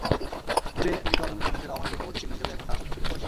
পুড়ে মৃত-অর্ধমৃত মানুষেরা অমানবিক জগতের চিহ্ন হিসেবে তখন তাড়া করছিল সবাইকে।